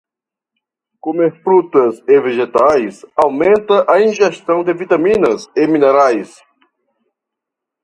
Comer frutas e vegetais aumenta a ingestão de vitaminas e minerais.